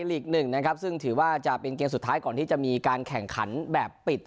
ลีก๑นะครับซึ่งถือว่าจะเป็นเกมสุดท้ายก่อนที่จะมีการแข่งขันแบบปิด